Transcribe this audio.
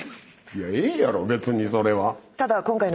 ええやろ別にそれは。